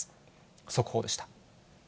速報でした。